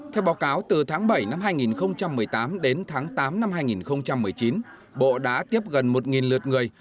theo báo cáo từ tháng bảy năm hai nghìn một mươi tám đến tháng tám năm hai nghìn một mươi chín bộ đã tiếp gần một lượt người